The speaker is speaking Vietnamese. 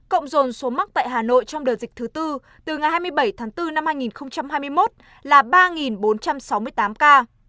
cộng dồn số mắc tại hà nội trong đợt dịch thứ tư từ ngày hai mươi bảy tháng bốn năm hai nghìn hai mươi một là ba bốn trăm sáu mươi tám ca